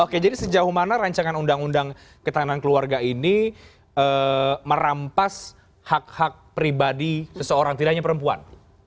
oke jadi sejauh mana rancangan undang undang ketahanan keluarga ini merampas hak hak pribadi seseorang tidak hanya perempuan